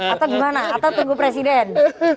atau gimana atau tunggu presiden